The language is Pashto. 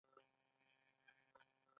د دویم ځل لپاره به یې ترې نیم غوږ پرې کړ